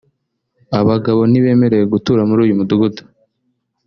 Abagabo ntibemerewe gutura muri uyu mudugudu